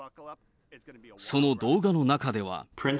その動画の中では。